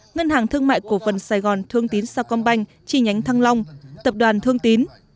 ngân hàng thương mại cổ phần sài gòn thương tín sao công banh chi nhánh thăng long tập đoàn thương tín